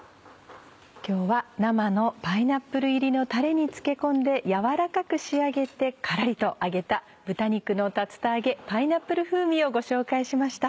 今日は生のパイナップル入りのタレに漬け込んでやわらかく仕上げてカラリと揚げた「豚肉の竜田揚げパイナップル風味」をご紹介しました。